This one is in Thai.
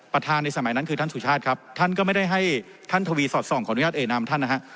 ในสมัยนั้นคือท่านสุชาติครับท่านก็ไม่ได้ให้ท่านทวีสอดส่องขออนุญาตเอนามท่านนะฮะ